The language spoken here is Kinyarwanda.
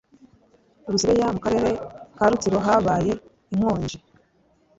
Rusebeya mu Karere ka Rutsiro habaye inkonji